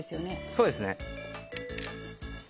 そうですね。